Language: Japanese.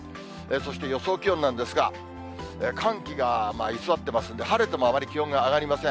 そして、予想気温なんですが、寒気が居座ってますんで、晴れてもあまり気温が上がりません。